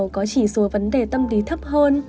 có chỉ số vấn đề tâm lý thấp hơn